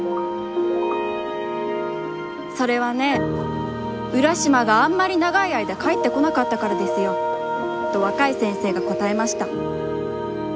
「それはねえ、浦島があんまり長いあいだ帰ってこなかったからですよ」と、若い先生がこたえました。